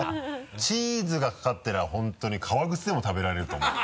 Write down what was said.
チーズがかかってれば本当に革靴でも食べられると思うよ。